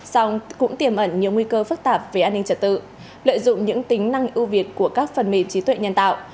song cũng tiềm ẩn nhiều nguy cơ phức tạp về an ninh trật tự lợi dụng những tính năng ưu việt của các phần mềm trí tuệ nhân tạo